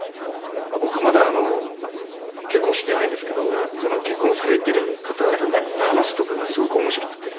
僕まだ結婚してないんですけど結婚されてる方々の話とかがすごく面白くて。